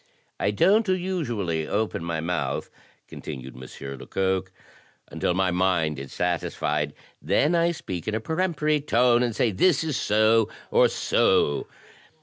"I don't usually open my mouth," continued M. Lecoq, "until my mind is satisfied; then I speak in a peremptory tone, and say this is so or so.